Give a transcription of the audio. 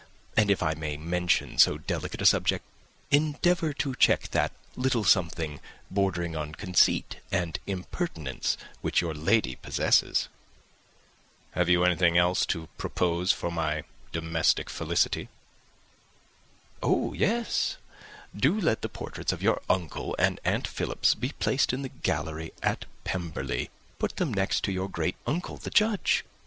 And, if I may mention so delicate a subject, endeavour to check that little something, bordering on conceit and impertinence, which your lady possesses." [Illustration: "No, no; stay where you are" [Copyright 1894 by George Allen.]] "Have you anything else to propose for my domestic felicity?" "Oh yes. Do let the portraits of your uncle and aunt Philips be placed in the gallery at Pemberley. Put them next to your great uncle the judge.